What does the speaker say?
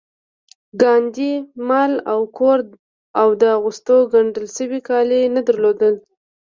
ګاندي مال او کور او د اغوستو ګنډل شوي کالي نه درلودل